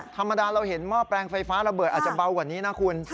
ธรรมดาเราเห็นหม้อแปลงไฟฟ้าระเบิดอาจจะเบากว่านี้นะคุณ